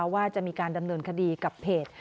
ว่าจะมีการดำเนินคดีกับเพจ